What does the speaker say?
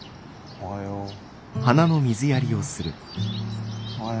おはよう。何？